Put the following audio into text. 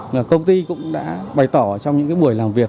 là công ty cũng đã bày tỏ trong những buổi làm việc